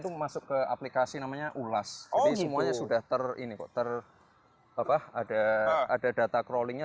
itu masuk ke aplikasi namanya ulas oh semuanya sudah terini kotor apa ada ada data crawling nya